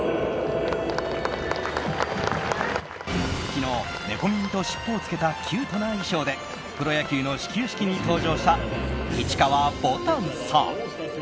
昨日、猫耳と尻尾を着けたキュートな衣装でプロ野球の始球式に登場した市川ぼたんさん。